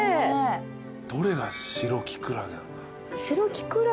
どれが白キクラゲなんだ？